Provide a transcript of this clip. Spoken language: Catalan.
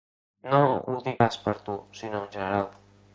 No ho dic pas per tu, sinó en general.